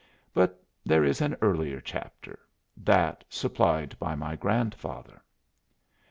But there is an earlier chapter that supplied by my grandfather.